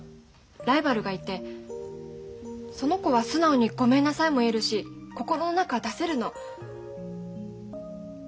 ライバルがいてその子は素直にごめんなさいも言えるし心の中出せるの。